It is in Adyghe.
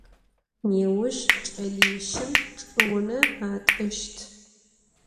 Nêuş ç'elişım çç'ıune at'ışt.